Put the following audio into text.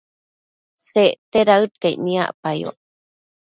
Secte daëd caic niacpayoc